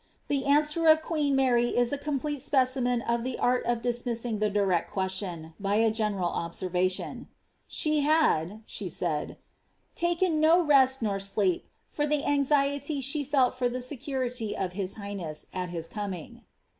The Bn«wer of queen Mary is a complete specimen of the art of dismissing the question direct, by a general observation. She had," she said, " taken neither rest nor sleep For the anxie^ ■he fell for the security of his highness at his coming."